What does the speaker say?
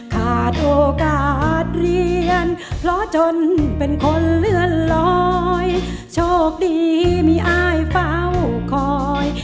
ขาดโอกาสเรียนเพราะจนเป็นคนเลื่อนลอยโชคดีมีอายเฝ้าคอย